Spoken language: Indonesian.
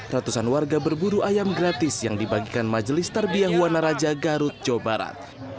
ratusan warga berburu ayam gratis yang dibagikan majelis tarbiah wana raja garut jawa barat